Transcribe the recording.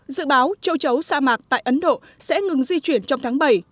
dự báo châu chấu sa mạc tại ấn độ sẽ ngừng di chuyển trong tháng bảy